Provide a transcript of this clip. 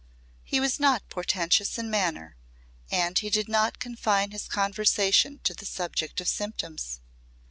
He was not portentous in manner and he did not confine his conversation to the subject of symptoms.